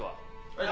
はい。